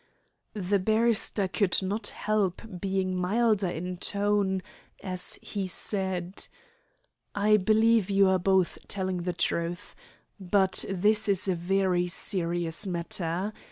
The barrister could not help being milder in tone as he said: "I believe you are both telling the truth. But this is a very serious matter.